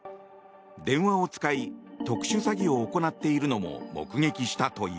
電話を使い特殊詐欺を行っているのも目撃したという。